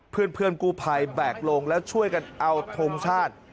เพื่อนกู้ภัยแบกลงแล้วช่วยกันเอาทงชาติ